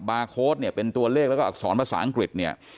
บาโค้ดเป็นตัวเลขแล้วก็อักษรภาษาอังกฤษ